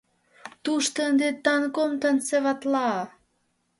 Тушто ынде тангом танцеватла!.